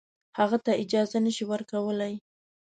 هغه ته اجازه نه شي ورکولای.